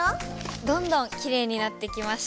どんどんきれいになってきました。